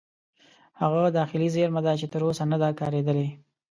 هغه داخلي زیرمه ده چې تر اوسه نه ده کارېدلې.